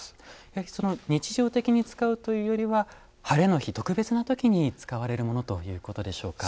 やはり日常的に使うというよりはハレの日特別な時に使われるものということでしょうか？